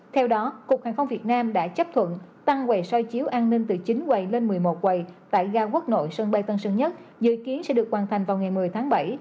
theo đó cục hàng không việt nam đã chấp thuận tăng quầy soi chiếu an ninh từ chín quầy lên một mươi một quầy tại ga quốc nội sân bay tân sơn nhất dự kiến sẽ được hoàn thành vào ngày một mươi tháng bảy